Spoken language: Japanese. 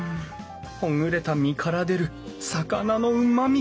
ほぐれた身から出る魚のうまみ！